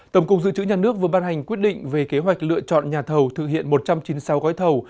tổng cục dự trữ nhà nước vừa ban hành quyết định về kế hoạch lựa chọn nhà thầu thực hiện một trăm chín mươi sáu gói thầu